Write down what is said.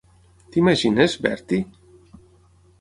T'imagines, Bertie?